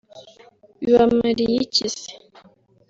bibamariye iki se